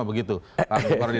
begitu pak komarudin